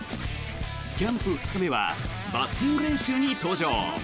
キャンプ２日目はバッティング練習に登場。